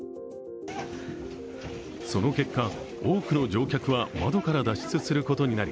その結果、多くの乗客は窓から脱出することになり